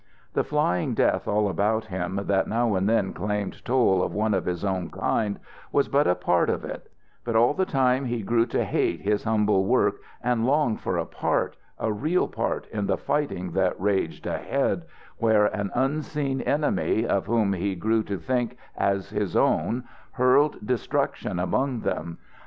The flying death all about him that now and then claimed toll of one of his own kind was but a part of it; but all the time he grew to hate his humble work and long for a part, a real part, in the fighting that raged ahead, where an unseen enemy, of whom he grew to think as his own, hurled destruction among them.